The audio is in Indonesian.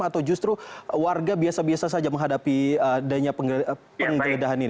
atau justru warga biasa biasa saja menghadapi adanya penggeledahan ini